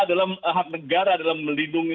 adalah hak negara dalam melindungi